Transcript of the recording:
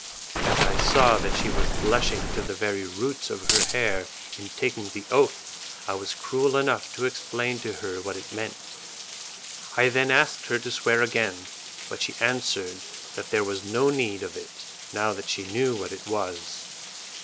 As I saw that she was blushing to the very roots of her hair in taking the oath, I was cruel enough to explain to her what it meant; I then asked her to swear again, but she answered that there was no need of it now that she knew what it was.